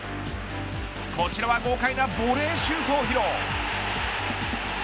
こちらは豪快なボレーシュートを披露。